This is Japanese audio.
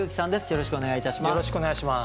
よろしくお願いします。